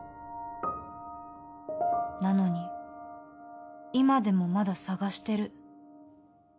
なのに今でもまだ探してる。